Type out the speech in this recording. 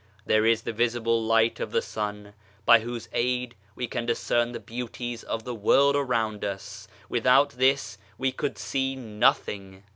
There is the visible light of the sun, by whose aid we can discern the beauties of the world around us without this we could see nothing.